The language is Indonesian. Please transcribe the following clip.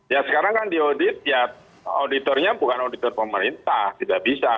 ya sekarang kan di audit ya auditornya bukan auditor pemerintah tidak bisa